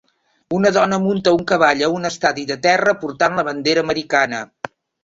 Una dona munta un cavall a un estadi de terra portant la bandera americana